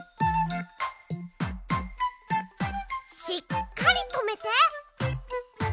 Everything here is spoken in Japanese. しっかりとめて。